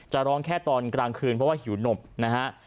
ร้องแค่ตอนกลางคืนเพราะว่าหิวนมนะฮะ